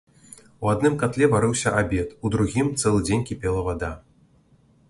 У адным катле варыўся абед, у другім цэлы дзень кіпела вада.